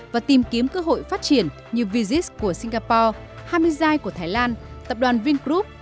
và tìm kiếm cơ hội phát triển như visis của singapore hamizai của thái lan tập đoàn vingroup